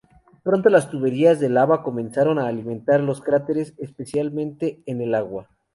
Pronto las tuberías de lava comenzaron a alimentar los cráteres, especialmente en el agua.